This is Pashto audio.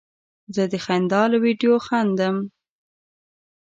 زه د خندا له ویډیو خندم.